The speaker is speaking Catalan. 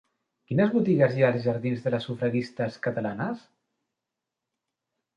Quines botigues hi ha als jardins de les Sufragistes Catalanes?